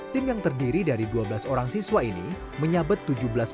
tim yang terdiri dari dua belas orang siswa ini menyabet tujuh belas orang